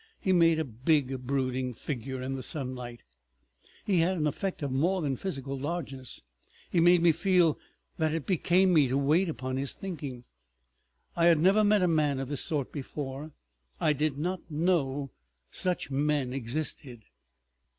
He made a big brooding figure in the sunlight, he had an effect of more than physical largeness; he made me feel that it became me to wait upon his thinking. I had never met a man of this sort before; I did not know such men existed.